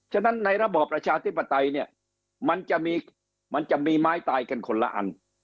ฉะนั้นในระบบประชาธิปไตยมันจะมีม้ายตายกันคนละอัน